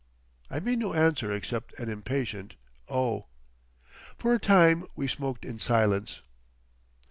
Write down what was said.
I made no answer except an impatient "oh!" For a time we smoked in silence....